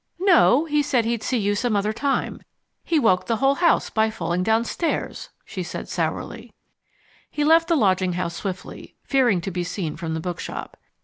"No, he said he'd see you some other time. He woke the whole house up by falling downstairs," she added sourly. He left the lodging house swiftly, fearing to be seen from the bookshop.